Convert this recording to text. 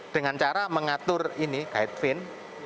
dengan cara mengatur ini guide fin